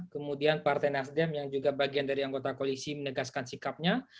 kemudian partai nasdem yang juga bagian dari anggota koalisi menegaskan sikapnya